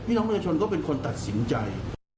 พิพินองค์เรื้อชนก็เป็นคนตัดสินใจ